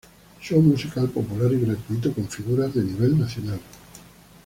Show musical popular y gratuito con figuras de nivel nacional.